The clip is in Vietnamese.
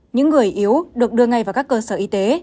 những người yếu được đưa ngay vào các cơ sở y tế